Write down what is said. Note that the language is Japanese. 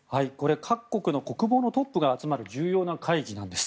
各国の国防のトップが集まる重要な会議なんです。